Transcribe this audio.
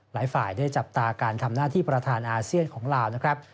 หลายฝ่ายได้จับตาการทำหน้าที่ประธานอาเซียนของลาวนะครับ